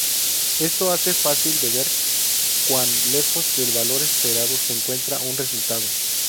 Esto hace fácil de ver cuan lejos del valor esperado se encuentra un resultado.